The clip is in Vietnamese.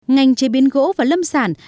ngành chế biến gỗ và lâm sản